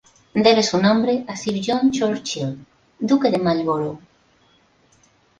Debe su nombre a Sir John Churchill, duque de Marlborough.